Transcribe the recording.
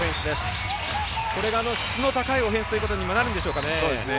これが質の高いオフェンスということにもなるんでしょうかね。